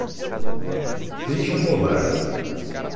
Deixa rolar.